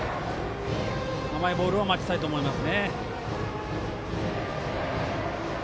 甘いボールを待ちたいと思います。